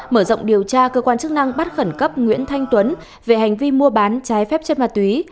mở rộng điều tra cơ quan chức năng bắt khẩn cấp nguyễn thanh tuấn về hành vi mua bán trái phép chất ma túy